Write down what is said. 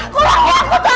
kurangnya aku tuh apa